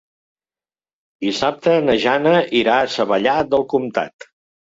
Dissabte na Jana irà a Savallà del Comtat.